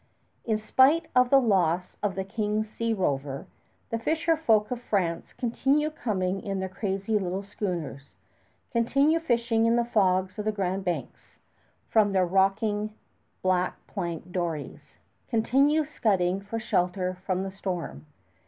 In spite of the loss of the King's sea rover, the fisher folk of France continue coming in their crazy little schooners, continue fishing in the fogs of the Grand Banks from their rocking black planked dories, continue scudding for shelter from storm